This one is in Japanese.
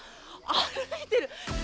歩いてる。